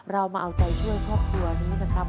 เรามาเอาใจช่วยครอบครัวนี้นะครับ